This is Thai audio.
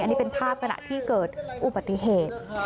อันนี้เป็นภาพขณะที่เกิดอุบัติเหตุ